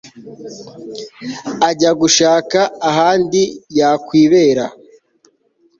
ajya gushaka ahandi yakwibera